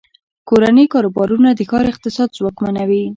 کورني کاروبارونه د ښار اقتصاد ځواکمنوي.